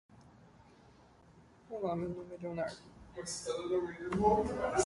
Estamos considerando a implementação de uma arquitetura serverless.